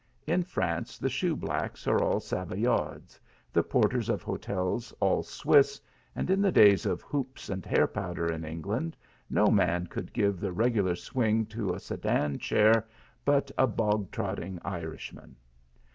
In France the shoeblacks are all Savoyards, the porters of hotels all Swiss, and in the days of hoops and hair powder in England, no man could give the regular swing to a sedan chair but a bog trotting Irishman.